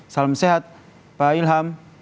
salam sehat pak ilham